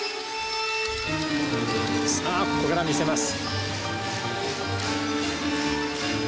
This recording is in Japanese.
さあここから見せます。